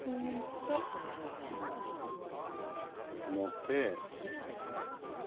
表。